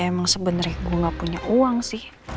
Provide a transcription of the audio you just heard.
ya emang sebenernya gue gak punya uang sih